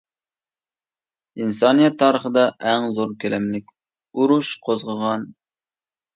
ئىنسانىيەت تارىخىدا ئەڭ زور كۆلەملىك ئۇرۇش قوزغىغان.